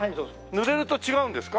ぬれると違うんですか？